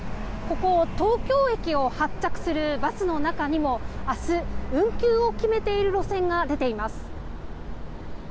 ここ東京駅を発着するバスの中にも明日、運休を決めている路線が出ています。